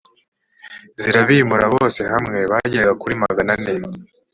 zirabimura bose hamwe bageraga kuri magane ane